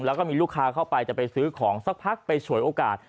แล้วก็มีลูกค้าเข้าไปจะไปซื้อของสักพักไปฉวยโอกาส